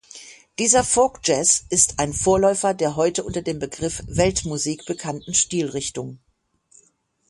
Dieser Folk-Jazz ist ein Vorläufer der heute unter dem Begriff Weltmusik bekannten Stilrichtung.